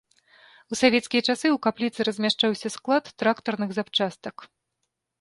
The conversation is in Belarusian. У савецкія часы ў капліцы размяшчаўся склад трактарных запчастак.